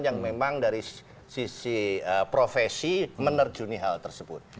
yang memang dari sisi profesi menerjuni hal tersebut